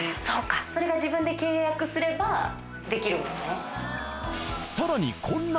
そうかそれが自分で契約すればできるもんね。